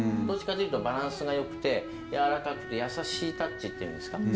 どっちかというとバランスがよくてやわらかくて優しいタッチというんですか？